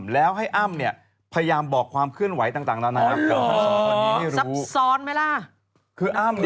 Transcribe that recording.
แล้วให้อ้ำพยายามบอกความเคลื่อนไหวต่างต่างนะครับ